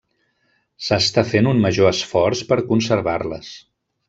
S'està fent un major esforç per conservar-les.